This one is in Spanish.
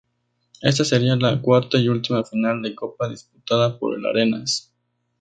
Esta sería la cuarta y última final de Copa disputada por el Arenas.